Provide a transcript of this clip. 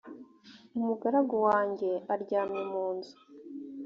umugaragu wanjye aryamye mu nzu